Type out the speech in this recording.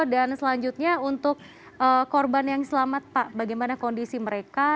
selanjutnya untuk korban yang selamat pak bagaimana kondisi mereka